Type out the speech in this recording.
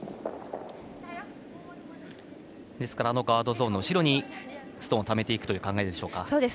ガードゾーンの後ろにストーンをためていくという考えでしょうか。